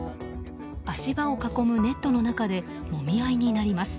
足場を囲むネットの中でもみ合いになります。